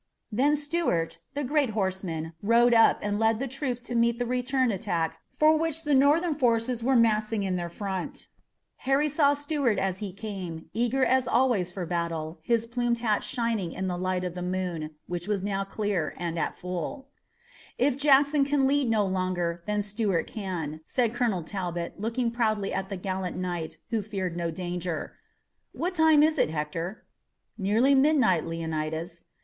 Then Stuart, the great horseman, rode up and led the troops to meet the return attack for which the Northern forces were massing in their front. Harry saw Stuart as he came, eager as always for battle, his plumed hat shining in the light of the moon, which was now clear and at the full. "If Jackson can lead no longer, then Stuart can," said Colonel Talbot, looking proudly at the gallant knight who feared no danger. "What time is it, Hector?" "Nearly midnight, Leonidas."